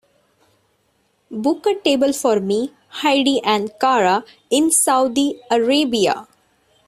book a table for me, heidi and cara in Saudi Arabia